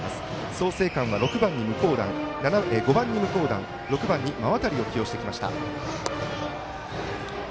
創成館は５番に向段６番に馬渡を起用してきました。